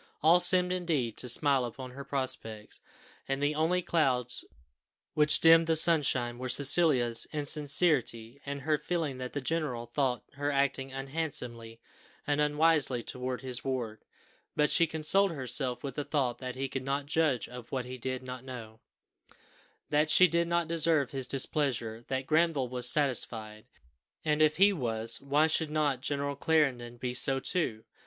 All seemed indeed to smile upon her prospects, and the only clouds which dimmed the sunshine were Cecilia's insincerity, and her feeling that the general thought her acting unhandsomely and unwisely towards his ward; but she consoled herself with the thought that he could not judge of what he did not know, that she did not deserve his displeasure, that Granville was satisfied, and if he was, why should not General Clarendon be so too?